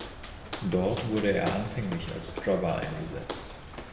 Dort wurde er anfänglich als Jobber eingesetzt.